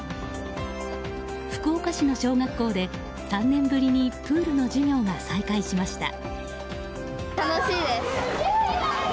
福岡市の小学校で３年ぶりにプールの授業が再開しました。